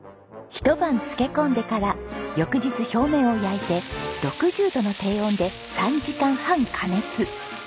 ひと晩漬け込んでから翌日表面を焼いて６０度の低温で３時間半加熱。